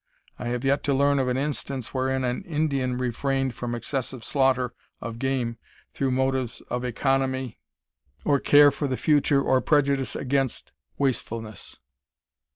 I have yet to learn of an instance wherein an Indian refrained from excessive slaughter of game through motives of economy, or care for the future, or prejudice against wastefulness.